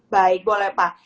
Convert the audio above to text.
baik boleh pak